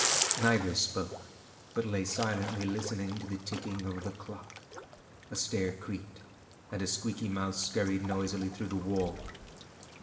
Neither spoke, but lay silently listening to the ticking of the clock. A stair creaked, and a squeaky mouse scurried noisily through the wall.